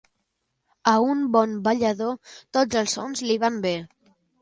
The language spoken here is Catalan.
A un bon ballador tots els sons li van bé.